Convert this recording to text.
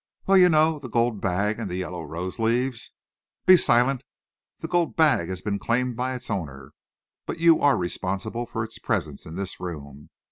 "Well, you know, the gold bag and the yellow rose leaves..." "Be silent! The gold bag has been claimed by its owner. But you are responsible for its presence in this room!